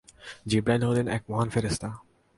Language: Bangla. জিবরাঈল হলেন এক মহান ফেরেশতা।